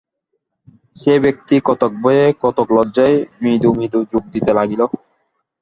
সে ব্যক্তি কতক ভয়ে কতক লজ্জায় মৃদু মৃদু যোগ দিতে লাগিল।